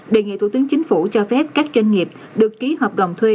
đề nghị thủ tướng chính phủ cho phép các doanh nghiệp được ký hợp đồng thuê